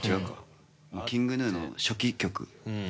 ＫｉｎｇＧｎｕの初期曲。